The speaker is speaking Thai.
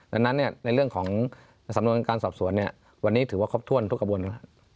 ดังนั้นในเรื่องของสำนวนการสอบสวนเนี่ยวันนี้ถือว่าครบถ้วนทุกกระบวน